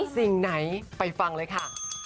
สิ่งไหนไปฟังเลยค่ะ